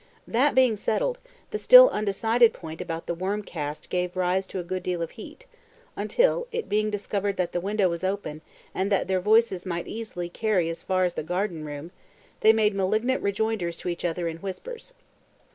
That being settled, the still undecided point about the worm cast gave rise to a good deal of heat, until, it being discovered that the window was open, and that their voices might easily carry as far as the garden room, they made malignant rejoinders to each other in whispers.